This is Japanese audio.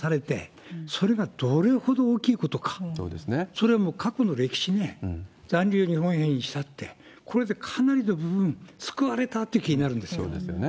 それはもう過去の歴史ね、残留日本兵にしたって、これでかなりの部分救われたっていう気になるんですよね。